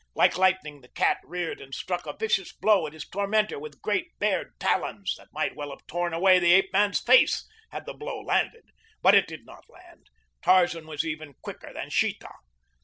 Like lightning the cat reared and struck a vicious blow at his tormentor with great, bared talons that might well have torn away the ape man's face had the blow landed; but it did not land Tarzan was even quicker than Sheeta.